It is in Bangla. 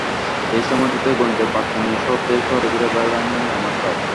এই সময়টাতে গণিতের বার্তা নিয়ে শহর থেকে শহরে ঘুরে বেড়ানোই আমার কাজ।